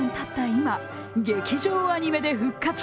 今、劇場アニメで復活。